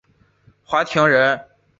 华亭人。